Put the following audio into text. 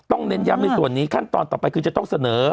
เน้นย้ำในส่วนนี้ขั้นตอนต่อไปคือจะต้องเสนอ